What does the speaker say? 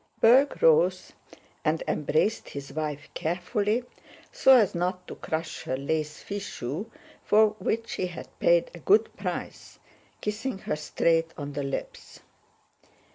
Berg rose and embraced his wife carefully, so as not to crush her lace fichu for which he had paid a good price, kissing her straight on the lips.